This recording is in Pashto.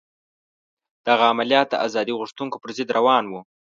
دغه عملیات د ازادي غوښتونکو پر ضد روان وو.